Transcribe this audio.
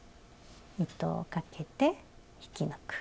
糸をかけて引き抜く。